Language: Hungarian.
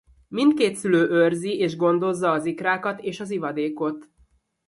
Mindkét szülő őrzi és gondozza az ikrákat és az ivadékot.